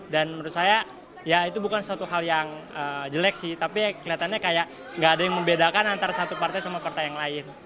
dan menurut saya ya itu bukan suatu hal yang jelek sih tapi kelihatannya kayak nggak ada yang membedakan antara satu partai sama partai yang lain